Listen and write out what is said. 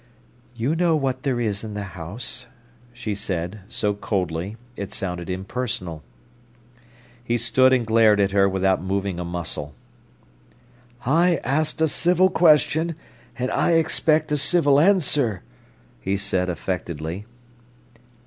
"You know what there is in the house," she said, so coldly, it sounded impersonal. He stood and glared at her without moving a muscle. "I asked a civil question, and I expect a civil answer," he said affectedly.